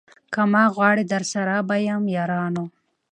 که ما غواړی درسره به یم یارانو